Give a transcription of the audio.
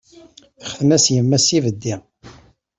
Texten-as imma-s s ibeddi.